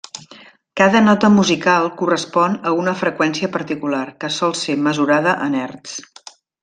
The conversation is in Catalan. Cada nota musical correspon a una freqüència particular, que sol ser mesurada en hertz.